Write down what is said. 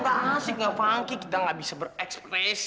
gak asik gak funky kita gak bisa berekspresi